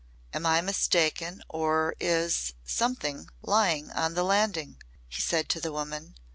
"Am I mistaken or is something lying on the landing?" he said to the woman.